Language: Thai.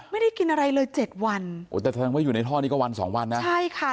ไม่ได้กินอะไรเลยเจ็ดวันโอ้แต่แสดงว่าอยู่ในท่อนี้ก็วันสองวันนะใช่ค่ะ